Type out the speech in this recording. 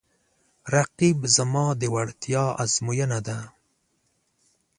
رقیب زما د وړتیا ازموینه ده